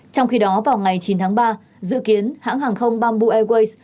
trong khi đó vào ngày chín tháng ba dự kiến hãng hàng không bamboo airways